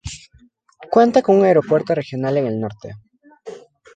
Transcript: Cuenta con un aeropuerto regional en el norte.